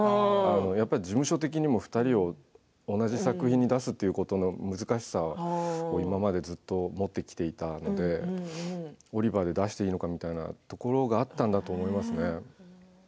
やっぱり事務所的にも２人を同じ作品を出すという難しさは今までずっとやってきたので「オリバー」で出していいのかというところもあったと思います。